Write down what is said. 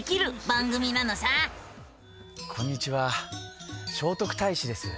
こんにちは聖徳太子です。